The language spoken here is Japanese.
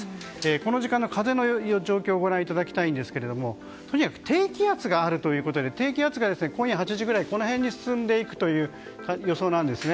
この時間の風の状況をご覧いただきますととにかく低気圧があるということで低気圧が今夜８時くらいこの辺に進んでいくという予想なんですね。